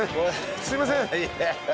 すいません。